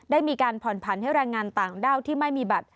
ได้มีการผ่อนผันให้แรงงานต่างด้าวที่ไม่มีบัตร